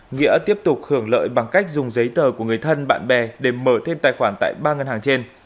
nghĩa tiếp tục hưởng lợi bằng cách dùng giấy tờ của người thân bạn bè để mở thêm tài khoản tại ba ngân hàng trên